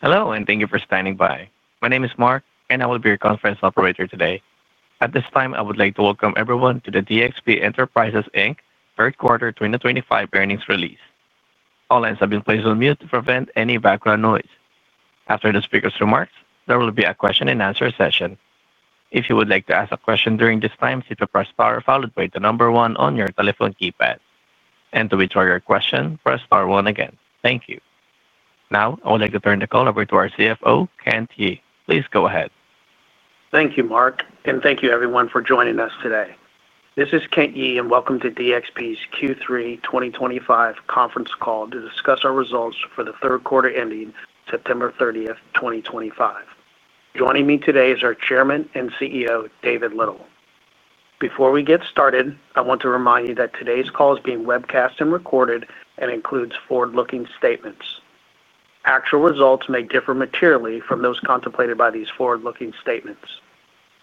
Hello, and thank you for standing by. My name is Mark, and I will be your conference operator today. At this time, I would like to welcome everyone to the DXP Enterprises third quarter 2025 earnings release. All hands have been placed on mute to prevent any background noise. After the speaker's remarks, there will be a question-and-answer session. If you would like to ask a question during this time, please press star followed by the number one on your telephone keypad. To withdraw your question, press star one again. Thank you. Now, I would like to turn the call over to our CFO, Kent Yee. Please go ahead. Thank you, Mark, and thank you, everyone, for joining us today. This is Kent Yee, and welcome to DXP's Q3 2025 conference call to discuss our results for the third quarter ending September 30, 2025. Joining me today is our Chairman and CEO, David Little. Before we get started, I want to remind you that today's call is being webcast and recorded and includes forward-looking statements. Actual results may differ materially from those contemplated by these forward-looking statements.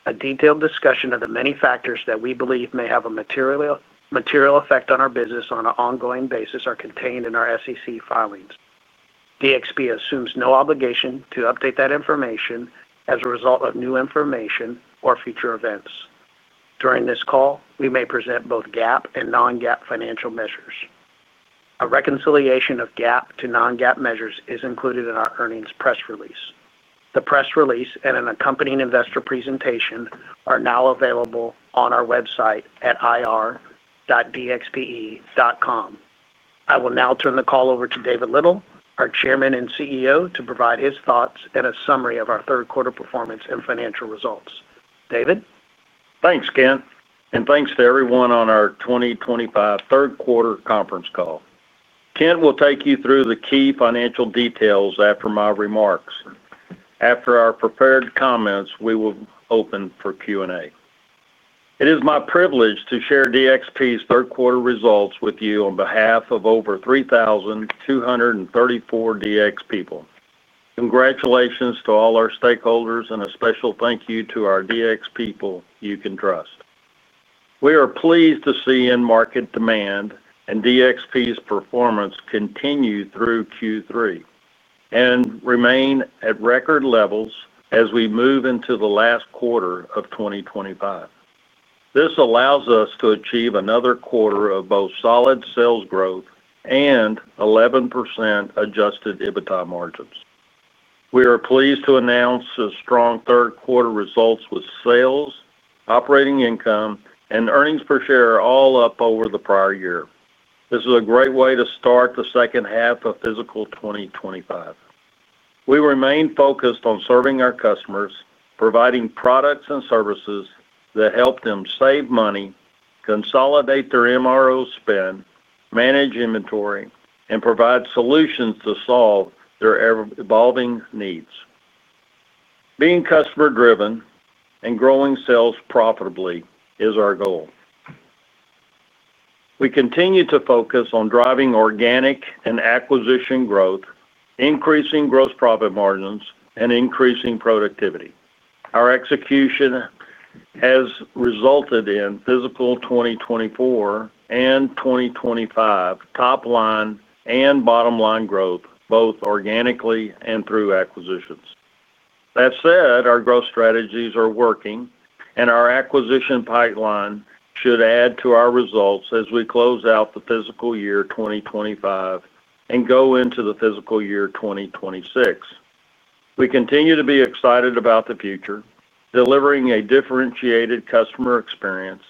A detailed discussion of the many factors that we believe may have a material effect on our business on an ongoing basis is contained in our SEC filings. DXP assumes no obligation to update that information as a result of new information or future events. During this call, we may present both GAAP and non-GAAP financial measures. A reconciliation of GAAP to non-GAAP measures is included in our earnings press release. The press release and an accompanying investor presentation are now available on our website at ir-dxpe.com. I will now turn the call over to David Little, our Chairman and CEO, to provide his thoughts and a summary of our third quarter performance and financial results. David? Thanks, Kent. Thanks to everyone on our 2025 third quarter conference call. Kent will take you through the key financial details after my remarks. After our prepared comments, we will open for Q&A. It is my privilege to share DXP's third quarter results with you on behalf of over 3,234 DX people. Congratulations to all our stakeholders, and a special thank you to our DX people you can trust. We are pleased to see in-market demand and DXP's performance continue through Q3. We remain at record levels as we move into the last quarter of 2025. This allows us to achieve another quarter of both solid sales growth and 11% adjusted EBITDA margins. We are pleased to announce the strong third quarter results with sales, operating income, and earnings per share all up over the prior year. This is a great way to start the second half of fiscal 2025. We remain focused on serving our customers, providing products and services that help them save money, consolidate their MRO spend, manage inventory, and provide solutions to solve their evolving needs. Being customer-driven and growing sales profitably is our goal. We continue to focus on driving organic and acquisition growth, increasing gross profit margins, and increasing productivity. Our execution has resulted in fiscal 2024 and 2025 top-line and bottom-line growth, both organically and through acquisitions. That said, our growth strategies are working, and our acquisition pipeline should add to our results as we close out the fiscal year 2025 and go into the fiscal year 2026. We continue to be excited about the future, delivering a differentiated customer experience,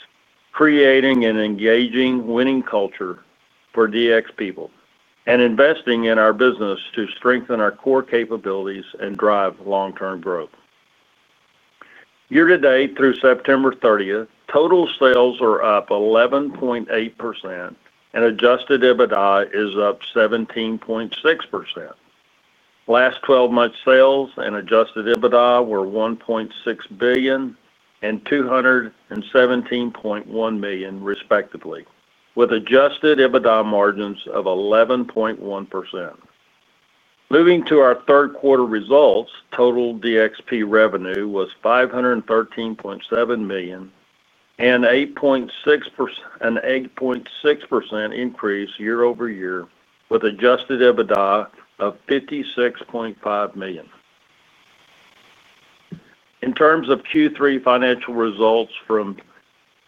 creating an engaging, winning culture for DX people, and investing in our business to strengthen our core capabilities and drive long-term growth. Year to date, through September 30, total sales are up 11.8%, and adjusted EBITDA is up 17.6%. Last 12-month sales and adjusted EBITDA were $1.6 billion and $217.1 million, respectively, with adjusted EBITDA margins of 11.1%. Moving to our third quarter results, total DXP revenue was $513.7 million, an 8.6% increase year over year, with adjusted EBITDA of $56.5 million. In terms of Q3 financial results from a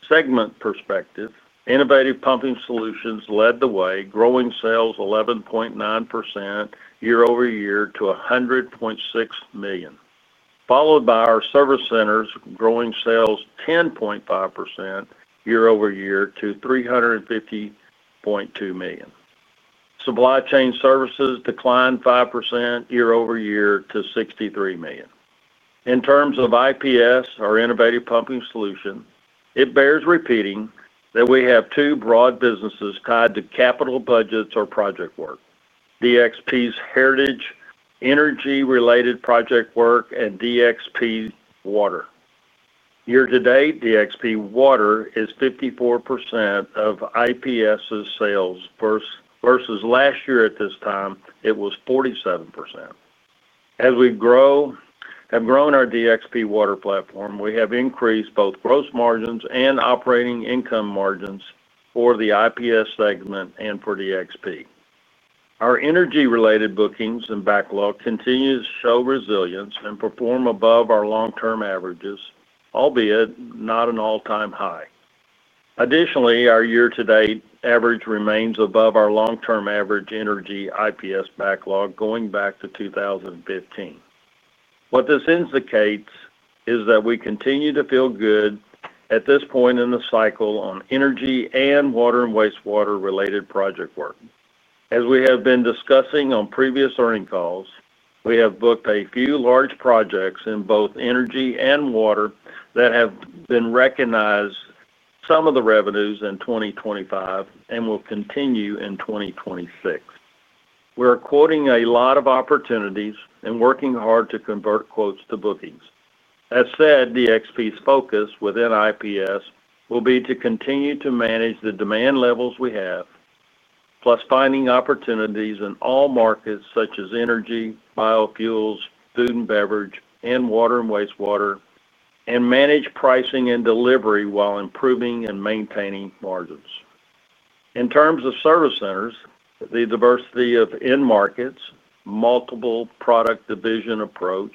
segment perspective, Innovative Pumping Solutions led the way, growing sales 11.9% year over year to $100.6 million, followed by our Service Centers growing sales 10.5% year over year to $350.2 million. Supply Chain Services declined 5% year over year to $63 million. In terms of IPS, our innovative pumping solution, it bears repeating that we have two broad businesses tied to capital budgets or project work: DXP's heritage energy-related project work and DXP's water. Year to date, DXP water is 54% of IPS's sales versus last year at this time it was 47%. As we've grown our DXP water platform, we have increased both gross margins and operating income margins for the IPS segment and for DXP. Our energy-related bookings and backlog continue to show resilience and perform above our long-term averages, albeit not an all-time high. Additionally, our year-to-date average remains above our long-term average energy IPS backlog going back to 2015. What this indicates is that we continue to feel good at this point in the cycle on energy and water and wastewater-related project work. As we have been discussing on previous earnings calls, we have booked a few large projects in both energy and water that have recognized some of the revenues in 2025 and will continue in 2026. We are quoting a lot of opportunities and working hard to convert quotes to bookings. That said, DXP's focus within IPS will be to continue to manage the demand levels we have, plus finding opportunities in all markets such as energy, biofuels, food and beverage, and water and wastewater, and manage pricing and delivery while improving and maintaining margins. In terms of service centers, the diversity of in-markets, multiple product division approach,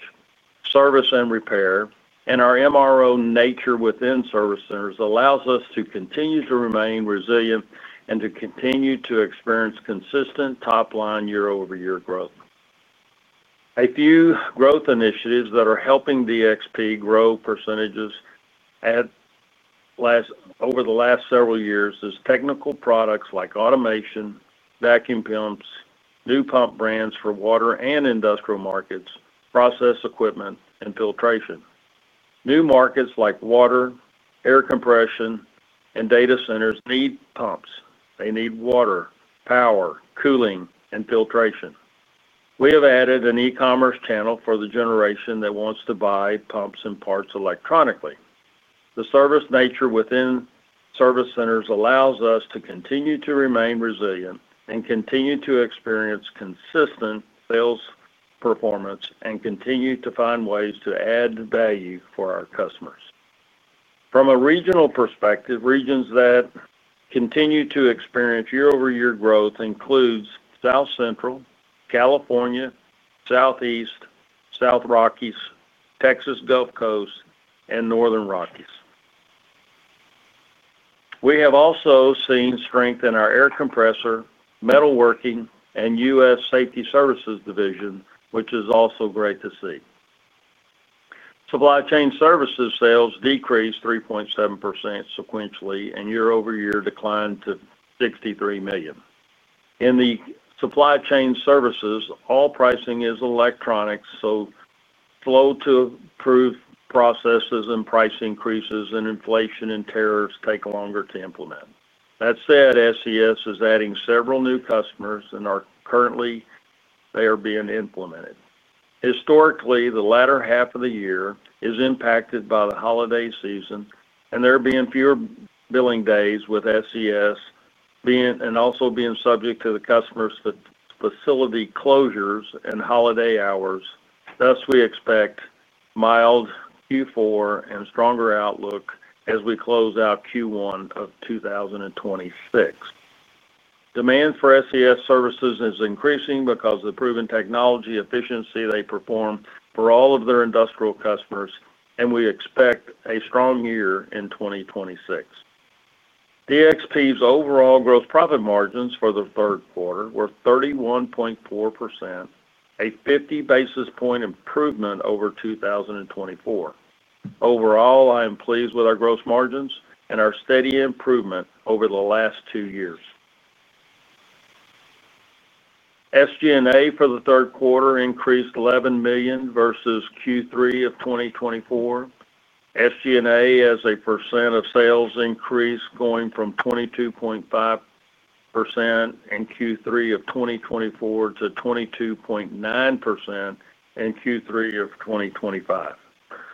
service and repair, and our MRO nature within service centers allows us to continue to remain resilient and to continue to experience consistent top-line year-over-year growth. A few growth initiatives that are helping DXP grow percentages. Over the last several years are technical products like automation, vacuum pumps, new pump brands for water and industrial markets, process equipment, and filtration. New markets like water, air compression, and data centers need pumps. They need water, power, cooling, and filtration. We have added an e-commerce channel for the generation that wants to buy pumps and parts electronically. The service nature within service centers allows us to continue to remain resilient and continue to experience consistent sales performance and continue to find ways to add value for our customers. From a regional perspective, regions that continue to experience year-over-year growth include South Central, California, Southeast, South Rockies, Texas Gulf Coast, and Northern Rockies. We have also seen strength in our air compressor, metalworking, and U.S. safety services division, which is also great to see. Supply chain services sales decreased 3.7% sequentially and year-over-year declined to $63 million. In the supply chain services, all pricing is electronics, so slow-to-approve processes and price increases and inflation and tariffs take longer to implement. That said, SES is adding several new customers, and currently. They are being implemented. Historically, the latter half of the year is impacted by the holiday season, and there are being fewer billing days with SES. Also being subject to the customer's facility closures and holiday hours. Thus, we expect mild Q4 and stronger outlook as we close out Q1 of 2026. Demand for SES services is increasing because of the proven technology efficiency they perform for all of their industrial customers, and we expect a strong year in 2026. DXP's overall gross profit margins for the third quarter were 31.4%. A 50-basis point improvement over 2024. Overall, I am pleased with our gross margins and our steady improvement over the last two years. SG&A for the third quarter increased $11 million versus Q3 of 2024. SG&A as a percent of sales increased, going from 22.5% in Q3 of 2024 to 22.9% in Q3 of 2025.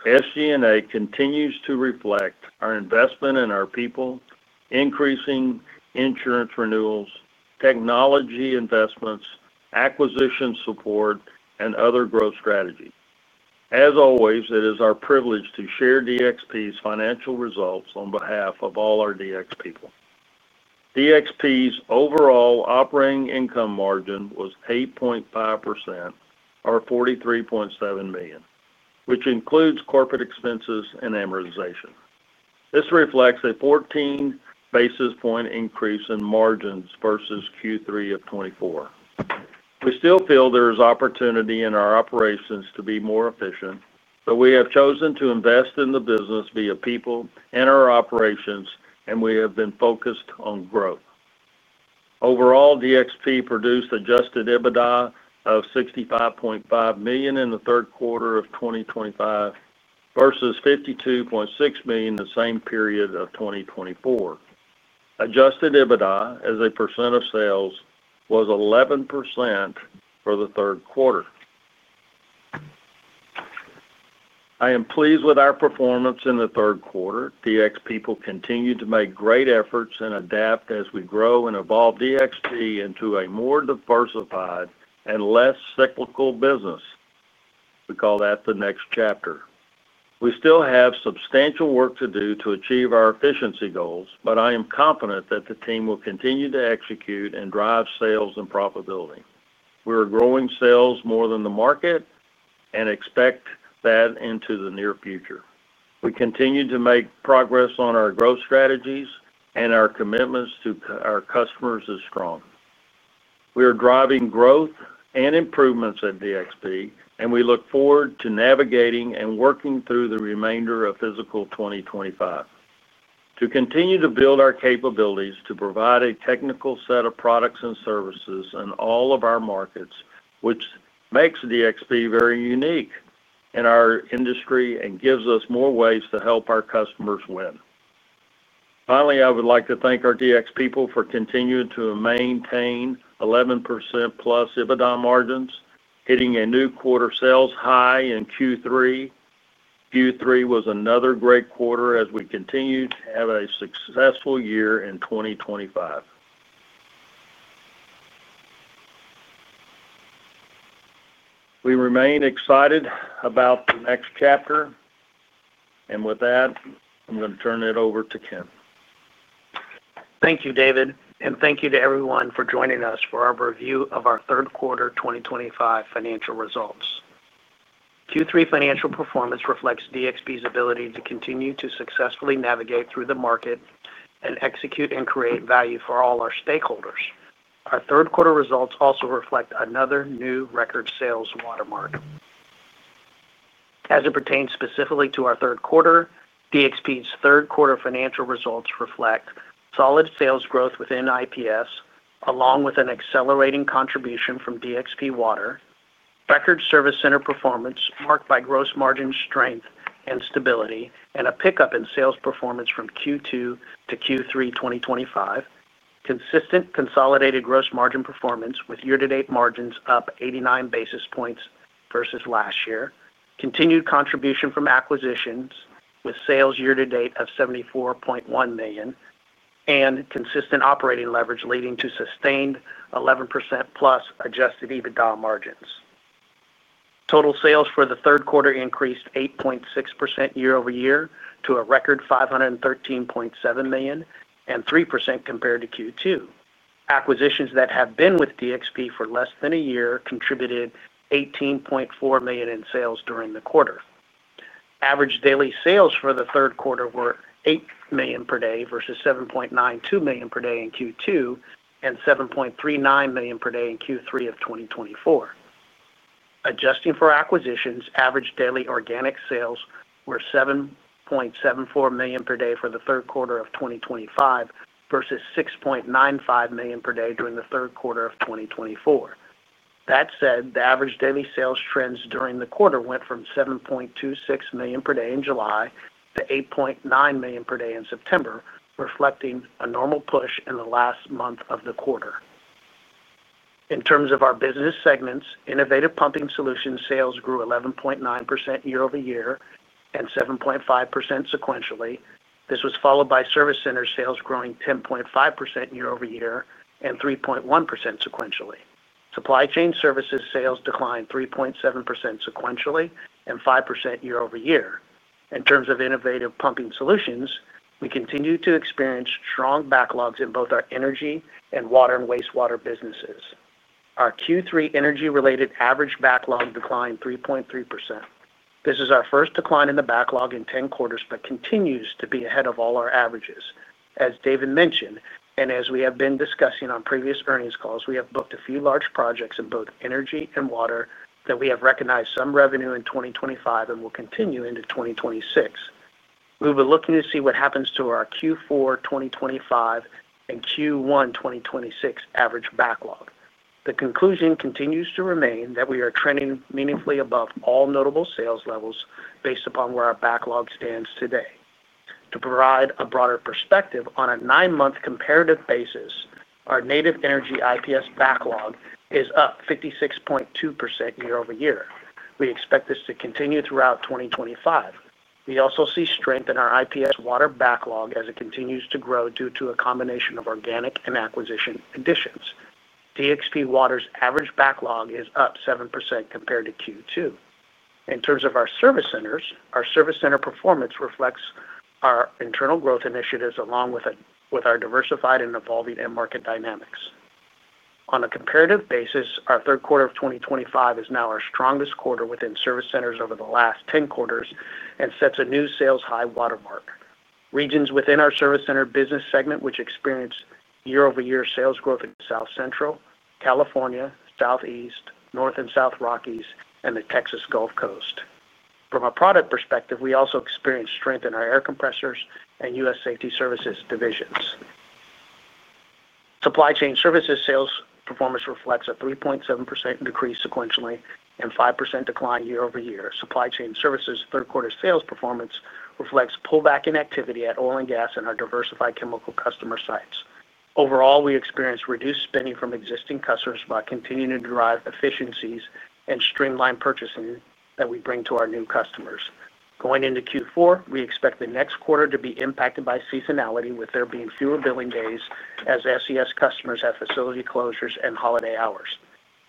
SG&A continues to reflect our investment in our people, increasing insurance renewals, technology investments, acquisition support, and other growth strategies. As always, it is our privilege to share DXP's financial results on behalf of all our DXP people. DXP's overall operating income margin was 8.5%, or $43.7 million, which includes corporate expenses and amortization. This reflects a 14-basis point increase in margins versus Q3 of 2024. We still feel there is opportunity in our operations to be more efficient, but we have chosen to invest in the business via people and our operations, and we have been focused on growth. Overall, DXP produced adjusted EBITDA of $65.5 million in the third quarter of 2025. Versus $52.6 million in the same period of 2024. Adjusted EBITDA, as a percent of sales, was 11% for the third quarter. I am pleased with our performance in the third quarter. DXP will continue to make great efforts and adapt as we grow and evolve DXP into a more diversified and less cyclical business. We call that the next chapter. We still have substantial work to do to achieve our efficiency goals, but I am confident that the team will continue to execute and drive sales and profitability. We are growing sales more than the market. I expect that into the near future. We continue to make progress on our growth strategies and our commitments to our customers are strong. We are driving growth and improvements at DXP, and we look forward to navigating and working through the remainder of fiscal 2025. To continue to build our capabilities to provide a technical set of products and services in all of our markets, which makes DXP very unique in our industry and gives us more ways to help our customers win. Finally, I would like to thank our DXP people for continuing to maintain 11% plus EBITDA margins, hitting a new quarter sales high in Q3. Q3 was another great quarter as we continue to have a successful year in 2025. We remain excited about the next chapter. With that, I'm going to turn it over to Kent. Thank you, David, and thank you to everyone for joining us for our review of our third quarter 2025 financial results. Q3 financial performance reflects DXP's ability to continue to successfully navigate through the market and execute and create value for all our stakeholders. Our third quarter results also reflect another new record sales watermark. As it pertains specifically to our third quarter, DXP's third quarter financial results reflect solid sales growth within IPS, along with an accelerating contribution from DXP water, record service center performance marked by gross margin strength and stability, and a pickup in sales performance from Q2 to Q3 2025. Consistent consolidated gross margin performance with year-to-date margins up 89 basis points versus last year, continued contribution from acquisitions with sales year-to-date of $74.1 million, and consistent operating leverage leading to sustained 11% plus adjusted EBITDA margins. Total sales for the third quarter increased 8.6% year over year to a record $513.7 million and 3% compared to Q2. Acquisitions that have been with DXP for less than a year contributed $18.4 million in sales during the quarter. Average daily sales for the third quarter were $8 million per day versus $7.92 million per day in Q2 and $7.39 million per day in Q3 of 2024. Adjusting for acquisitions, average daily organic sales were $7.74 million per day for the third quarter of 2025 versus $6.95 million per day during the third quarter of 2024. That said, the average daily sales trends during the quarter went from $7.26 million per day in July to $8.9 million per day in September, reflecting a normal push in the last month of the quarter. In terms of our business segments, Innovative Pumping Solutions sales grew 11.9% year-over-year and 7.5% sequentially. This was followed by Service Centers sales growing 10.5% year-over-year and 3.1% sequentially. Supply Chain Services sales declined 3.7% sequentially and 5% year-over-year. In terms of innovative pumping solutions, we continue to experience strong backlogs in both our energy and water and wastewater businesses. Our Q3 energy-related average backlog declined 3.3%. This is our first decline in the backlog in 10 quarters but continues to be ahead of all our averages. As David mentioned, and as we have been discussing on previous earnings calls, we have booked a few large projects in both energy and water that we have recognized some revenue in 2025 and will continue into 2026. We will be looking to see what happens to our Q4 2025 and Q1 2026 average backlog. The conclusion continues to remain that we are trending meaningfully above all notable sales levels based upon where our backlog stands today. To provide a broader perspective, on a nine-month comparative basis, our native energy IPS backlog is up 56.2% year-over-year. We expect this to continue throughout 2025. We also see strength in our IPS water backlog as it continues to grow due to a combination of organic and acquisition additions. DXP water's average backlog is up 7% compared to Q2. In terms of our service centers, our service center performance reflects our internal growth initiatives along with our diversified and evolving in-market dynamics. On a comparative basis, our third quarter of 2025 is now our strongest quarter within service centers over the last 10 quarters and sets a new sales high watermark. Regions within our service center business segment which experienced year-over-year sales growth in South Central, California, Southeast, North and South Rockies, and the Texas Gulf Coast. From a product perspective, we also experienced strength in our air compressors and U.S. safety services divisions. Supply chain services sales performance reflects a 3.7% decrease sequentially and 5% decline year over year. Supply chain services third quarter sales performance reflects pullback in activity at oil and gas and our diversified chemical customer sites. Overall, we experienced reduced spending from existing customers by continuing to drive efficiencies and streamline purchasing that we bring to our new customers. Going into Q4, we expect the next quarter to be impacted by seasonality with there being fewer billing days as SES customers have facility closures and holiday hours.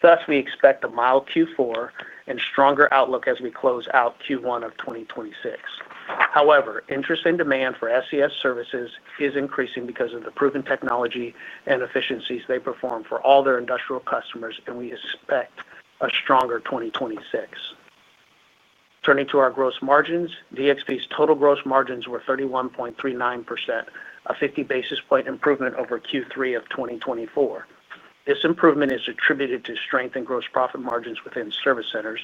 Thus, we expect a mild Q4 and stronger outlook as we close out Q1 of 2026. However, interest in demand for SES services is increasing because of the proven technology and efficiencies they perform for all their industrial customers, and we expect a stronger 2026. Turning to our gross margins, DXP's total gross margins were 31.39%, a 50-basis point improvement over Q3 of 2024. This improvement is attributed to strength in gross profit margins within service centers,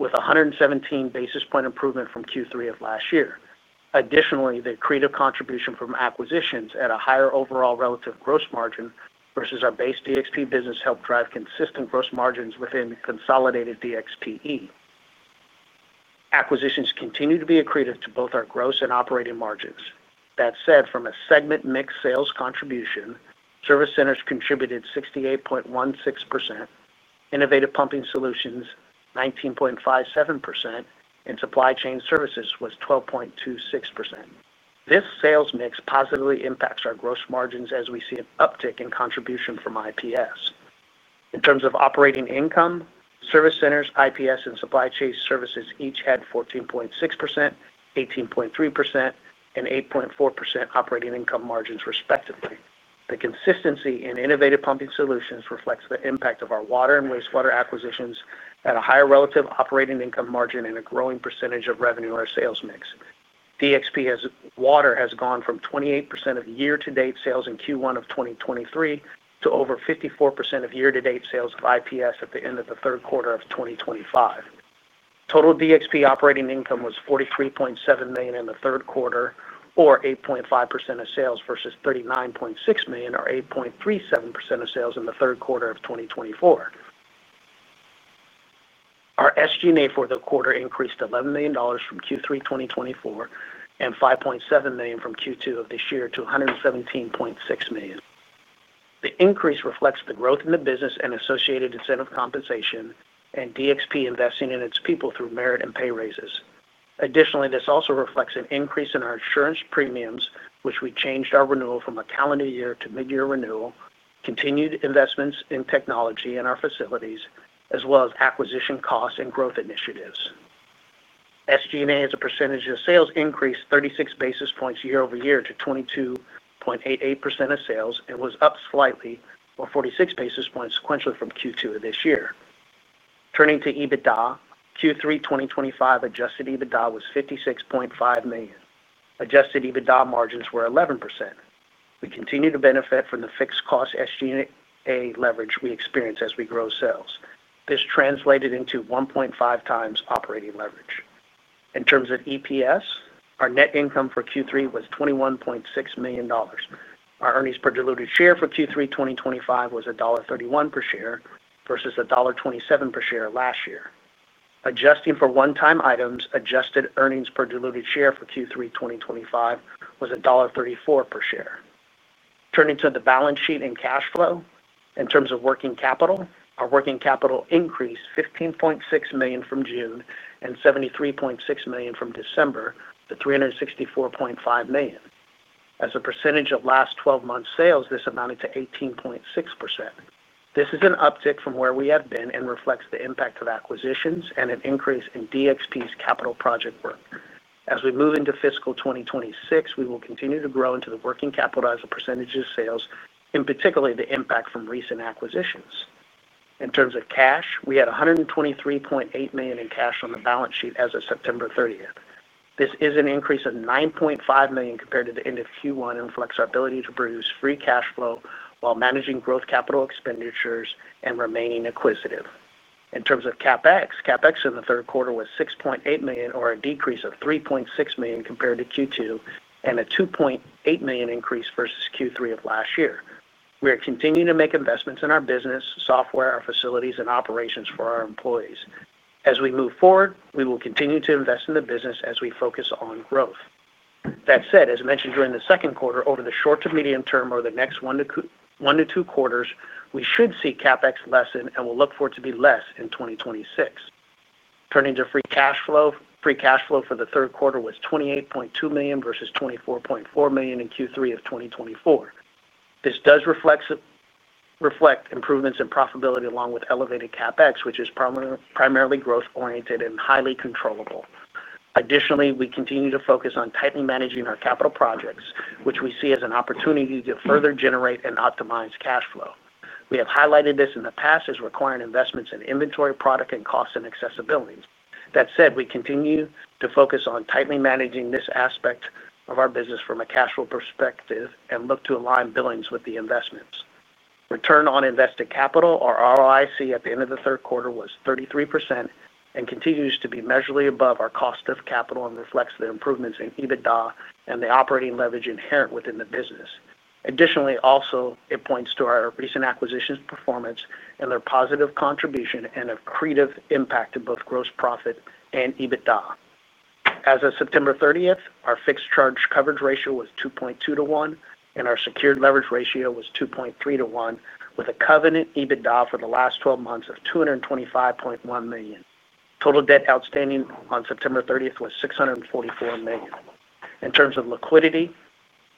with a 117-basis point improvement from Q3 of last year. Additionally, the accretive contribution from acquisitions at a higher overall relative gross margin versus our base DXP business helped drive consistent gross margins within consolidated DXP. Acquisitions continue to be accretive to both our gross and operating margins. That said, from a segment mix sales contribution, service centers contributed 68.16%. Innovative Pumping Solutions 19.57%, and Supply Chain Services was 12.26%. This sales mix positively impacts our gross margins as we see an uptick in contribution from IPS. In terms of operating income, service centers, IPS, and Supply Chain Services each had 14.6%, 18.3%, and 8.4% operating income margins respectively. The consistency in innovative pumping solutions reflects the impact of our water and wastewater acquisitions at a higher relative operating income margin and a growing percentage of revenue in our sales mix. DXP water has gone from 28% of year-to-date sales in Q1 of 2023 to over 54% of year-to-date sales of IPS at the end of the third quarter of 2025. Total DXP operating income was $43.7 million in the third quarter, or 8.5% of sales versus $39.6 million or 8.37% of sales in the third quarter of 2024. Our SG&A for the quarter increased $11 million from Q3 2024 and $5.7 million from Q2 of this year to $117.6 million. The increase reflects the growth in the business and associated incentive compensation and DXP investing in its people through merit and pay raises. Additionally, this also reflects an increase in our insurance premiums, which we changed our renewal from a calendar year to mid-year renewal, continued investments in technology and our facilities, as well as acquisition costs and growth initiatives. SG&A as a percentage of sales increased 36 basis points year-over-year to 22.88% of sales and was up slightly or 46 basis points sequentially from Q2 of this year. Turning to EBITDA, Q3 2025 adjusted EBITDA was $56.5 million. Adjusted EBITDA margins were 11%. We continue to benefit from the fixed cost SG&A leverage we experience as we grow sales. This translated into 1.5 x operating leverage. In terms of EPS, our net income for Q3 was $21.6 million. Our earnings per diluted share for Q3 2025 was $1.31 per share versus $1.27 per share last year. Adjusting for one-time items, adjusted earnings per diluted share for Q3 2025 was $1.34 per share. Turning to the balance sheet and cash flow, in terms of working capital, our working capital increased $15.6 million from June and $73.6 million from December to $364.5 million. As a percentage of last 12 months' sales, this amounted to 18.6%. This is an uptick from where we have been and reflects the impact of acquisitions and an increase in DXP's capital project work. As we move into fiscal 2026, we will continue to grow into the working capital as a percentage of sales, in particular the impact from recent acquisitions. In terms of cash, we had $123.8 million in cash on the balance sheet as of September 30th. This is an increase of $9.5 million compared to the end of Q1 and reflects our ability to produce free cash flow while managing growth capital expenditures and remaining acquisitive. In terms of CapEx, CapEx in the third quarter was $6.8 million or a decrease of $3.6 million compared to Q2 and a $2.8 million increase versus Q3 of last year. We are continuing to make investments in our business, software, our facilities, and operations for our employees. As we move forward, we will continue to invest in the business as we focus on growth. That said, as mentioned during the second quarter, over the short to medium term or the next one to two quarters, we should see CapEx lessen and will look forward to be less in 2026. Turning to free cash flow, free cash flow for the third quarter was $28.2 million versus $24.4 million in Q3 of 2024. This does reflect improvements in profitability along with elevated CapEx, which is primarily growth-oriented and highly controllable. Additionally, we continue to focus on tightly managing our capital projects, which we see as an opportunity to further generate and optimize cash flow. We have highlighted this in the past as requiring investments in inventory, product and cost, and accessibility. That said, we continue to focus on tightly managing this aspect of our business from a cash flow perspective and look to align billings with the investments. Return on invested capital, or ROIC, at the end of the third quarter was 33% and continues to be measurably above our cost of capital and reflects the improvements in EBITDA and the operating leverage inherent within the business. Additionally, also, it points to our recent acquisitions performance and their positive contribution and accretive impact to both gross profit and EBITDA. As of September 30, our fixed charge coverage ratio was 2.2:1, and our secured leverage ratio was 2.31, with a covenant EBITDA for the last 12 months of $225.1 million. Total debt outstanding on September 30 was $644 million. In terms of liquidity,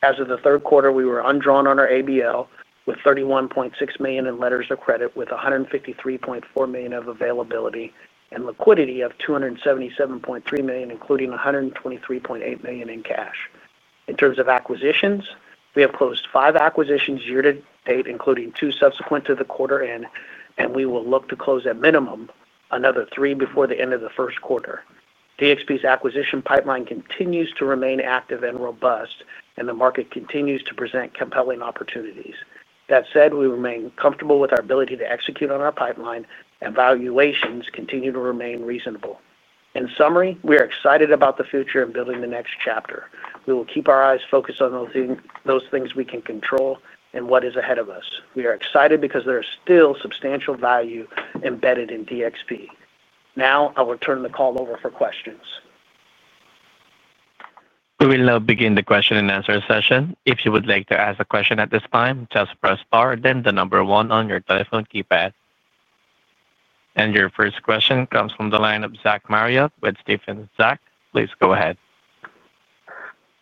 as of the third quarter, we were undrawn on our ABL with $31.6 million in letters of credit, with $153.4 million of availability and liquidity of $277.3 million, including $123.8 million in cash. In terms of acquisitions, we have closed five acquisitions year-to-date, including two subsequent to the quarter end, and we will look to close at minimum another three before the end of the first quarter. DXP's acquisition pipeline continues to remain active and robust, and the market continues to present compelling opportunities. That said, we remain comfortable with our ability to execute on our pipeline, and valuations continue to remain reasonable. In summary, we are excited about the future and building the next chapter. We will keep our eyes focused on those things we can control and what is ahead of us. We are excited because there is still substantial value embedded in DXP. Now, I will turn the call over for questions. We will now begin the question and answer session. If you would like to ask a question at this time, just press star and then the number one on your telephone keypad. Your first question comes from the line of Zach Marriott with Stephens. Please go ahead.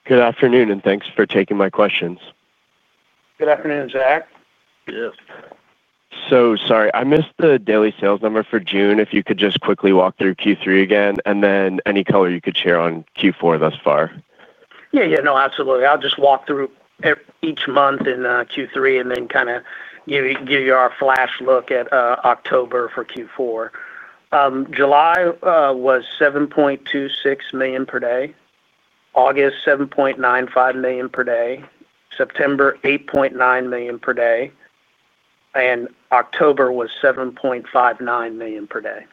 Good afternoon, and thanks for taking my questions. Good afternoon, Zach. Yes. Sorry, I missed the daily sales number for June. If you could just quickly walk through Q3 again and then any color you could share on Q4 thus far. Yeah, yeah, no, absolutely. I'll just walk through each month in Q3 and then kind of give you our flash look at October for Q4. July was $7.26 million per day. August, $7.95 million per day. September, $8.9 million per day. October was $7.59 million per day.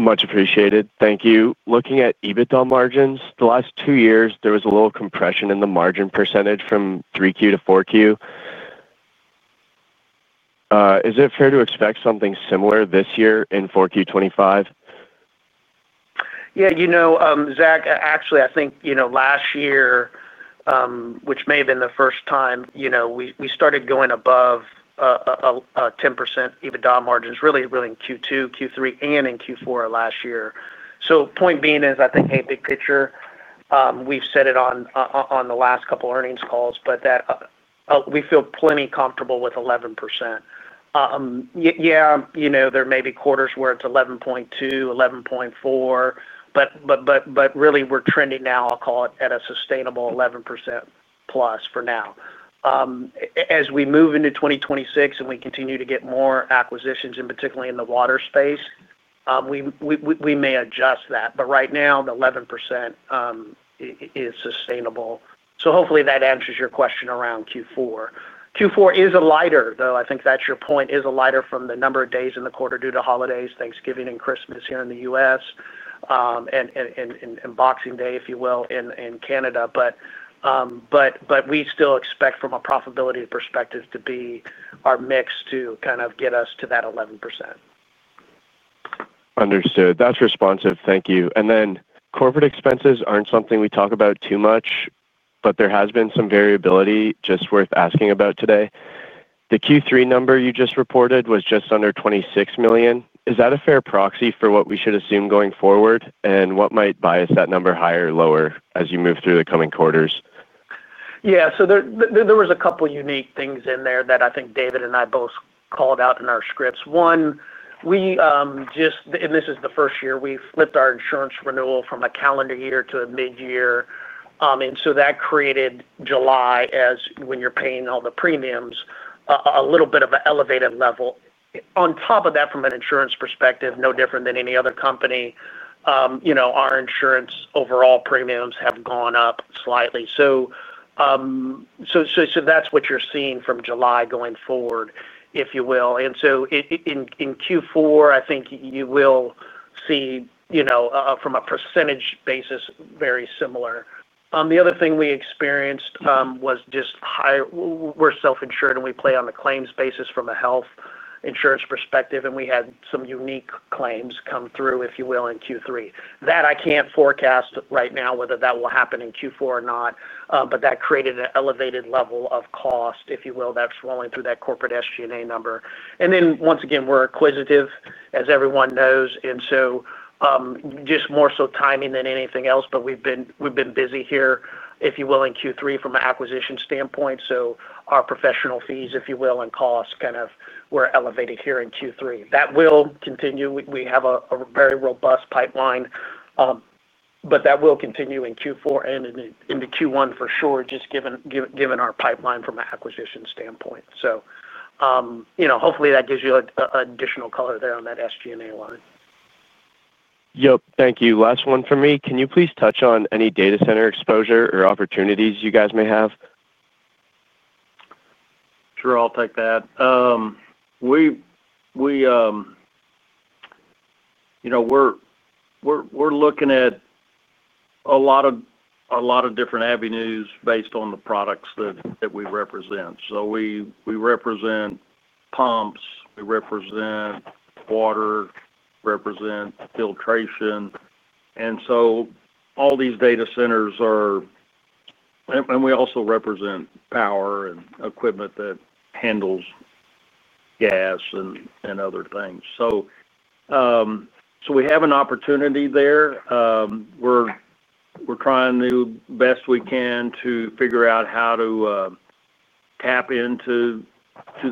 Much appreciated. Thank you. Looking at EBITDA margins, the last two years, there was a little compression in the margin percentage from 3Q to 4Q. Is it fair to expect something similar this year in 4Q 2025? Yeah, you know, Zach, actually, I think last year, which may have been the first time, we started going above 10% EBITDA margins, really, really in Q2, Q3, and in Q4 last year. Point being is, I think, hey, big picture, we've said it on the last couple of earnings calls, but we feel plenty comfortable with 11%. Yeah, there may be quarters where it's 11.2%, 11.4%, but really, we're trending now, I'll call it, at a sustainable 11% + for now. As we move into 2026 and we continue to get more acquisitions, and particularly in the water space, we may adjust that, but right now, the 11% is sustainable. Hopefully that answers your question around Q4. Q4 is a lighter, though. I think that's your point, is a lighter from the number of days in the quarter due to holidays, Thanksgiving, and Christmas here in the U.S. Boxing Day, if you will, in Canada. We still expect from a profitability perspective to be our mix to kind of get us to that 11%. Understood. That's responsive. Thank you. Corporate expenses are not something we talk about too much, but there has been some variability just worth asking about today. The Q3 number you just reported was just under $26 million. Is that a fair proxy for what we should assume going forward, and what might bias that number higher or lower as you move through the coming quarters? Yeah, so there was a couple of unique things in there that I think David and I both called out in our scripts. One, we just, and this is the first year, we flipped our insurance renewal from a calendar year to a mid-year. That created July as when you're paying all the premiums, a little bit of an elevated level. On top of that, from an insurance perspective, no different than any other company. Our insurance overall premiums have gone up slightly. That's what you're seeing from July going forward, if you will. In Q4, I think you will see, from a percentage basis, very similar. The other thing we experienced was just higher, we're self-insured, and we play on the claims basis from a health insurance perspective, and we had some unique claims come through, if you will, in Q3. I can't forecast right now whether that will happen in Q4 or not, but that created an elevated level of cost, if you will, that's rolling through that corporate SG&A number. Once again, we're acquisitive, as everyone knows, and just more so timing than anything else, but we've been busy here, if you will, in Q3 from an acquisition standpoint. Our professional fees, if you will, and costs kind of were elevated here in Q3. That will continue. We have a very robust pipeline. That will continue in Q4 and into Q1 for sure, just given our pipeline from an acquisition standpoint. Hopefully that gives you an additional color there on that SG&A line. Yep, thank you. Last one for me. Can you please touch on any data center exposure or opportunities you guys may have? Sure, I'll take that. We are looking at a lot of different avenues based on the products that we represent. We represent pumps, we represent water, we represent filtration. All these data centers are, and we also represent power and equipment that handles gas and other things. We have an opportunity there. We're trying to do the best we can to figure out how to tap into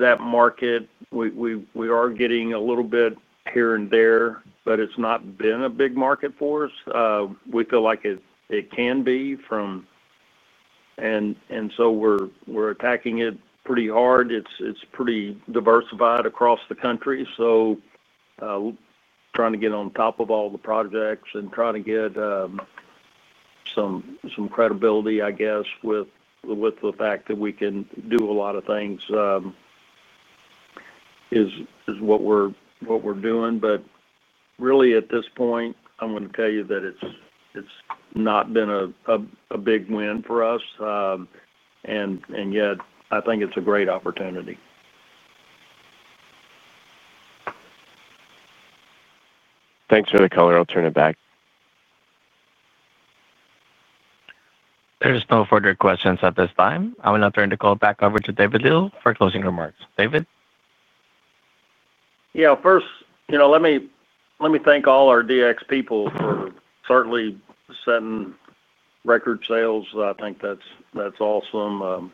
that market. We are getting a little bit here and there, but it's not been a big market for us. We feel like it can be from, and we are attacking it pretty hard. It's pretty diversified across the country. Trying to get on top of all the projects and trying to get some credibility, I guess, with the fact that we can do a lot of things is what we're doing. At this point, I'm going to tell you that it's not been a big win for us. Yet, I think it's a great opportunity. Thanks for the color. I'll turn it back. There's no further questions at this time. I will now turn the call back over to David Little for closing remarks. David? Yeah, first, let me thank all our DXP people for certainly setting record sales. I think that's awesome.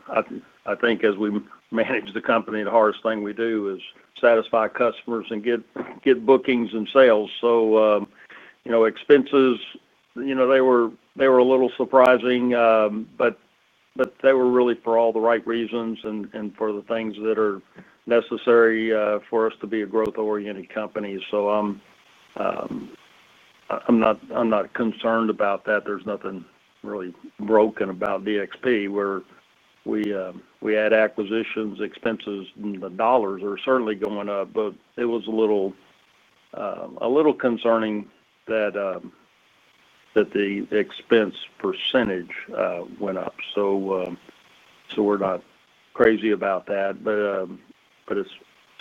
I think as we manage the company, the hardest thing we do is satisfy customers and get bookings and sales. Expenses, they were a little surprising, but they were really for all the right reasons and for the things that are necessary for us to be a growth-oriented company. I'm not concerned about that. There's nothing really broken about DXP. We had acquisitions, expenses, and the dollars are certainly going up, but it was a little concerning that the expense percentage went up. We're not crazy about that, but it's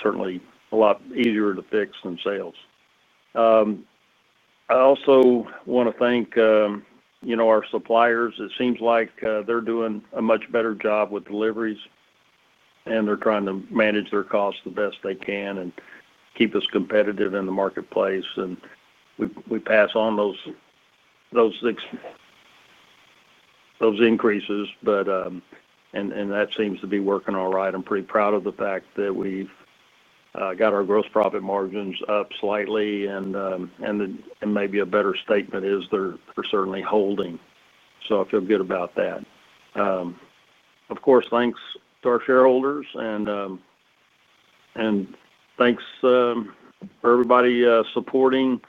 certainly a lot easier to fix than sales. I also want to thank our suppliers. It seems like they're doing a much better job with deliveries. They are trying to manage their costs the best they can and keep us competitive in the marketplace. We pass on those increases, but that seems to be working all right. I'm pretty proud of the fact that we've got our gross profit margins up slightly, and maybe a better statement is they are certainly holding. I feel good about that. Of course, thanks to our shareholders and thanks for everybody supporting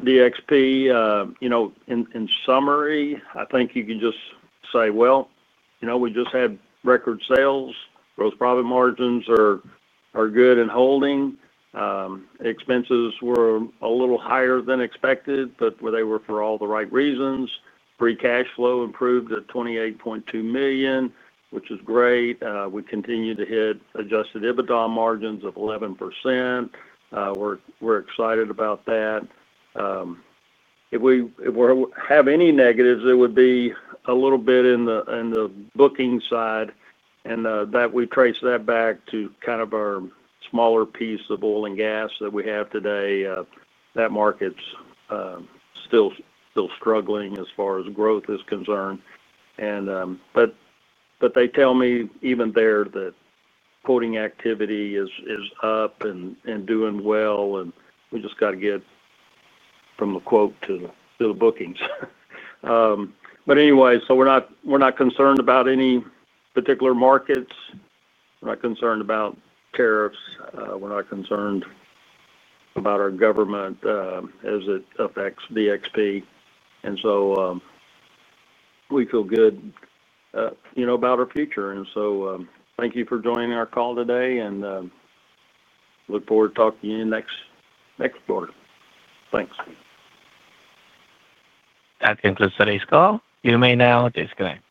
DXP. In summary, I think you can just say we just had record sales. Gross profit margins are good and holding. Expenses were a little higher than expected, but they were for all the right reasons. Free cash flow improved at $28.2 million, which is great. We continue to hit adjusted EBITDA margins of 11%. We're excited about that. If we have any negatives, it would be a little bit in the booking side, and that we trace that back to kind of our smaller piece of oil and gas that we have today. That market's still struggling as far as growth is concerned. They tell me even there that quoting activity is up and doing well, and we just got to get from the quote to the bookings. Anyway, we're not concerned about any particular markets. We're not concerned about tariffs. We're not concerned about our government as it affects DXP. We feel good about our future. Thank you for joining our call today, and look forward to talking to you next quarter. Thanks. That concludes today's call. You may now disconnect.